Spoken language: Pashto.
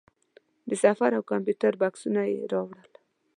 د سفر او کمپیوټر بکسونه یې راوړل.